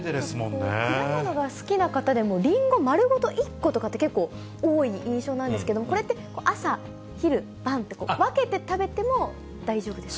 果物が好きな方でも、リンゴ丸ごと１個とかって結構多い印象なんですけど、これって朝、昼、晩って、分けて食べても大丈夫ですか？